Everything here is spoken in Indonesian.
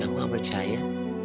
aku gak percaya